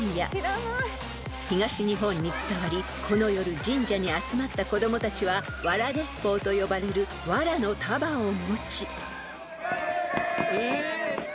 ［東日本に伝わりこの夜神社に集まった子供たちはわら鉄砲と呼ばれるわらの束を持ち］